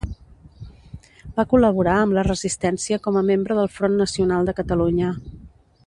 Va col·laborar amb la Resistència com a membre del Front Nacional de Catalunya.